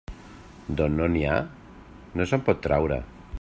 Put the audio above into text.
D'on no n'hi ha, no se'n pot traure.